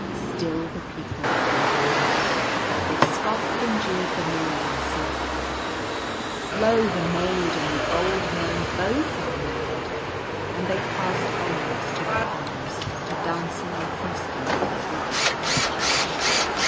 Still the people heeded not; but they scoffed and jeered the more, and said, " Lo, the maid and the old man both are m<id ;" and they passed onwards to their homes — to dancing and feasting as before.